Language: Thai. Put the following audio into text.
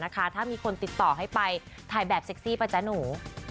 ถ้ามีคนติดต่อให้ไปถ่ายแบบเซ็กซี่ป่ะจ๊ะหนู